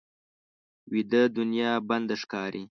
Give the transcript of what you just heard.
ویده دنیا بنده ښکاري